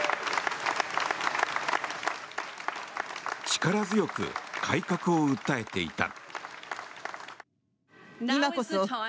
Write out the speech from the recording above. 力強く改革を訴えていた。